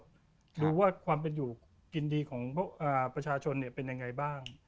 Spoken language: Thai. ดูว่าความเป็นอยู่กินดีของประชาชนเป็นยังไงบ้าง